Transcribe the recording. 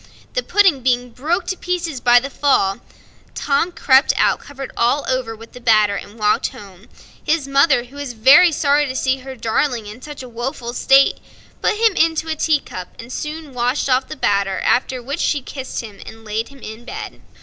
The pudding being broke to pieces by the fall, Tom crept out covered all over with the batter, and walked home. His mother, who was very sorry to see her darling in such a woeful state, put him into a teacup and soon washed off the batter; after which she kissed him and laid him in bed.